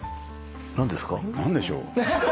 何でしょう。